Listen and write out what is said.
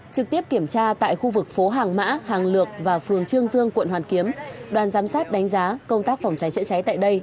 trực tiếp kiểm tra tại khu vực phố hàng mã hàng lược và phường trương dương quận hoàn kiếm đoàn giám sát đánh giá công tác phòng cháy chữa cháy tại đây